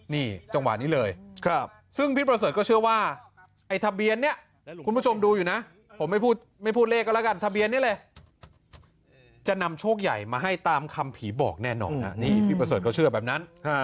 นี่จังหวะนี้เลยซึ่งพี่ประเสริฐก็เชื่อว่าไอ้ทะเบียนเนี่ยคุณผู้ชมดูอยู่นะผมไม่พูดเลขก็แล้วกันทะเบียนนี้เลยจะนำโชคใหญ่มาให้ตามคำผีบอกแน่นอนนี่พี่ประเสริฐเขาเชื่อแบบนั้น